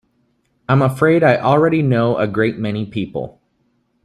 I'm afraid I already know a great many people.